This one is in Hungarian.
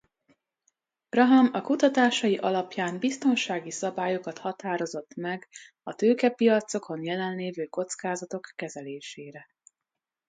Graham a kutatásai alapján biztonsági szabályokat határozott meg a tőkepiacokon jelen lévő kockázatok kezelésére.